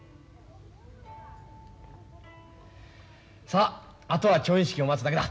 さああとは調印式を待つだけだ。